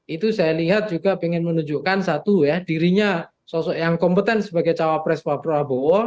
itu saya lihat juga ingin menunjukkan satu ya dirinya sosok yang kompeten sebagai cawapres pak prabowo